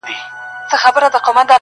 ملنګه ! د کوم دشت هوا پرهر لره دوا ده -